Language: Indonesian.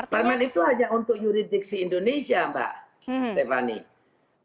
permen itu hanya untuk yuridiksi indonesia mbak stephanie